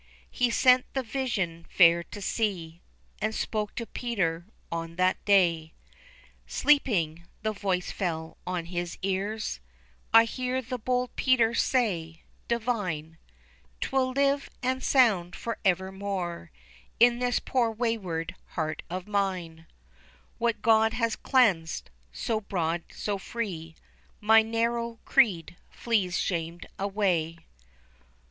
He sent the vision fair to see, And spoke to Peter on that day. Sleeping, the voice fell on his ears, I hear bold Peter say "Divine, 'Twill live and sound forever more In this poor wayward heart of mine 'What God has cleansed,' so broad, so free, My narrow creed flees shamed away."